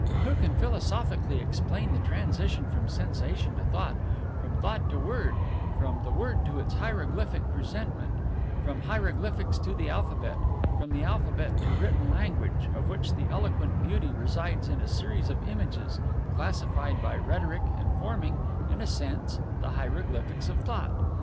"Who can philosophically explain the transition from sensation to thought, from thought to word, from the word to its hieroglyphic presentment, from hieroglyphics to the alphabet, from the alphabet to written language, of which the eloquent beauty resides in a series of images, classified by rhetoric, and forming, in a sense, the hieroglyphics of thought?